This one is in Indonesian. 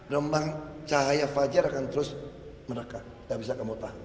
rembang cahaya fajar akan terus menekat tidak bisa kamu tahu